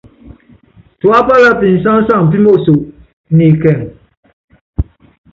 Tuápála pisáŋsaŋ pímoso ni ikɛŋ.